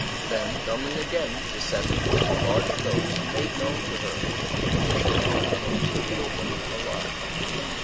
Then Dummling again descended to the large toad and made known to her that he wished to find the most beautiful woman alive.